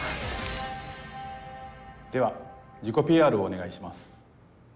では自己ＰＲをお願いします。